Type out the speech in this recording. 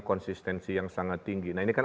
konsistensi yang sangat tinggi nah ini kan